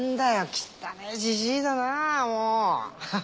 きったねえじじいだなもう。